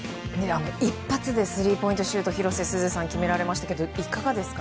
一発でスリーポイントシュートを広瀬すずさん決められましたけどいかがですか？